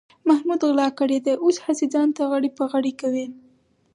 محمود غلا کړې ده، اوس هسې ځان تغړې پغړې کوي.